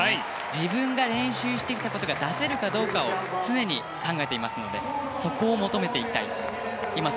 自分が練習してきたことが出せるかどうかを常に考えていますのでそこを求めていきたい。